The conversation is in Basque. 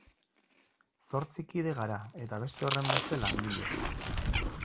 Zortzi kide gara eta beste horrenbeste langile.